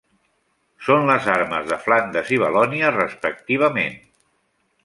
Són les armes de Flandes i Valònia respectivament.